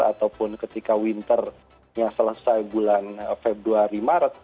ataupun ketika winter nya selesai bulan februari maret